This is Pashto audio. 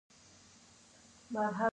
د ماشوم د ودې لپاره څه شی اړین دی؟